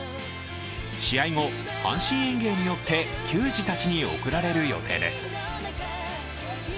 試合後、阪神園芸によって球児たちに送られる予定です。